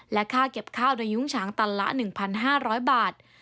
ค่าเก็บข้าวโดยยุ้งฉางตันละ๑๕๐๐บาท